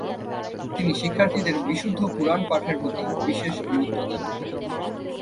তিনি শিক্ষার্থীদের বিশুদ্ধ কুরআন পাঠের প্রতি বিশেষ গুরুত্ব দেন।